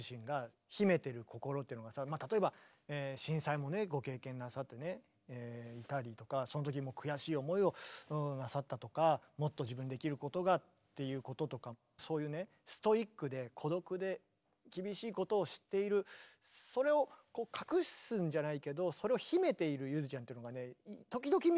例えば震災もねご経験なさっていたりとかそのときも悔しい思いをなさったとかもっと自分にできることがっていうこととかそういうねストイックで孤独で厳しいことを知っているそれをこう隠すんじゃないけどそれを秘めているゆづちゃんというのがね時々見える気がするの。